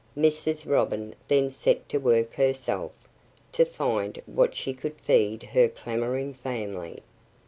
Mrs. Robin then set to work herself, to find what she could to feed her clamoring family.